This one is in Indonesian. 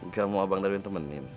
gak mau abang darwin temenin